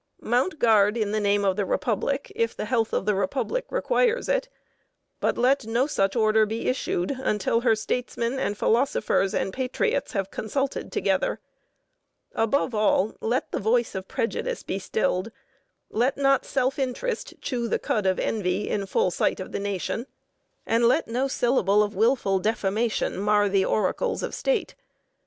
Mount guard in the name of the Republic if the health of the Republic requires it, but let no such order be issued until her statesmen and philosophers and patriots have consulted together. Above all, let the voice of prejudice be stilled, let not self interest chew the cud of envy in full sight of the nation, and let no syllable of willful defamation mar the oracles of state.